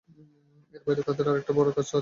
এর বাইরে তাদের জন্য আরেকটা বড় কাজ আছে বলে মনে হয়।